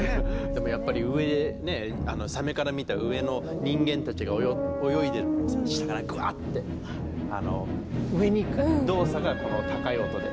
でもやっぱり上でねサメから見た上の人間たちが泳いでるのを下からグワッて上に行く動作がこの高い音で。